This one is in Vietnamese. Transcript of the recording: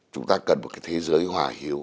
chúng ta cần một thế giới hòa hiếu